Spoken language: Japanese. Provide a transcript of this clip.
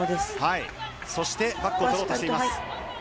そして、バックを取ろうとしています。